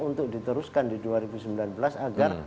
untuk diteruskan di dua ribu sembilan belas agar